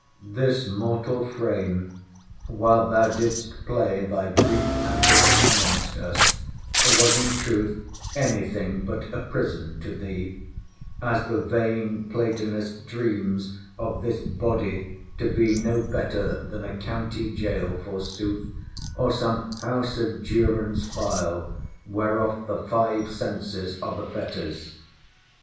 This mortal frame, while thou didst play thy brief antics amongst us, was in truth any thing but a prison to thee, as the vain Platonist dreams of this body to be no better than a county gaol, forsooth, or some house of durance vile, whereof the five senses are the fetters.